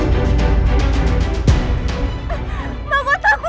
sini jangan lupa